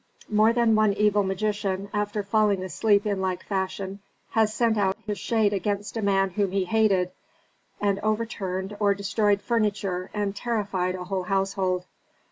More than one evil magician, after falling asleep in like fashion, has sent out his shade against a man whom he hated, and overturned or destroyed furniture and terrified a whole household.